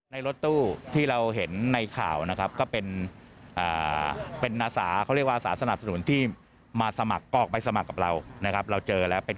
ในรถตู้ที่เราเห็นในข่าวนะครับก็เป็น